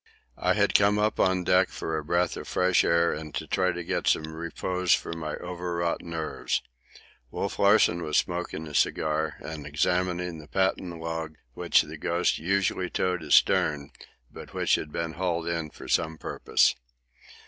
I had come up on deck for a breath of fresh air and to try to get some repose for my overwrought nerves. Wolf Larsen was smoking a cigar and examining the patent log which the Ghost usually towed astern, but which had been hauled in for some purpose.